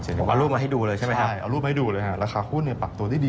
เอารูปมาให้ดูเลยใช่ไหมครับ